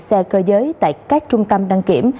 xe cơ giới tại các trung tâm đăng kiểm